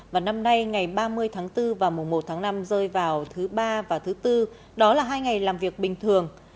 và năm nay ngày ba mươi tháng bốn và mùa một tháng năm rơi vào thứ ba và thứ tư đó là hai ngày làm việc bình thường